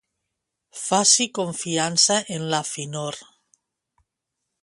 Faci confiança en la finor.